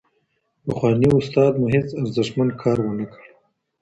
پخواني استاد مو هېڅ ارزښتمن کار ونه کړ.